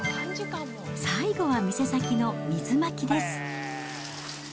最後は店先の水まきです。